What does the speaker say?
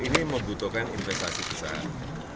ini membutuhkan investasi besar